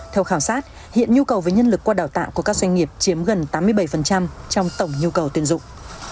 theo khảo sát hiện nhu cầu với nhân lực qua đào tạo của các doanh nghiệp chiếm gần tám mươi bảy trong tổng nhu cầu tuyển dụng